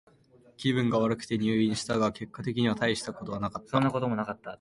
気分が悪くて入院したが、結果的にはたいしたことはなかった。